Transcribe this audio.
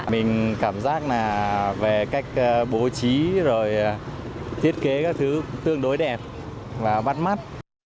mình cảm giác là về cách bố trí rồi thiết kế các thứ tương đối đẹp và bắt mắt